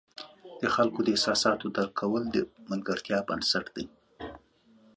د خلکو د احساساتو درک کول د ملګرتیا بنسټ دی.